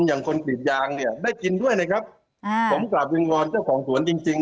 อย่างคนกรีดยางเนี่ยได้กินด้วยนะครับอ่าผมกลับวิงวอนเจ้าของสวนจริงจริง